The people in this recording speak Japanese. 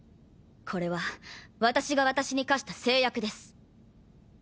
これは私が私に課した誓約です。